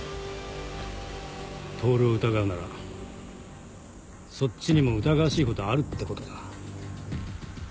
透を疑うならそっちにも疑わしいことはあるってことだ。